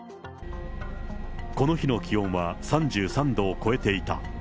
この日の気温は３３度を超えていた。